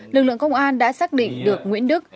lực lượng công an đã xác định được nguyễn đức